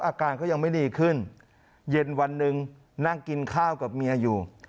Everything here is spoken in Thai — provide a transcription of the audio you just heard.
อาการก็ยังไม่ดีขึ้นเย็นวันหนึ่งนั่งกินข้าวกับเมียอยู่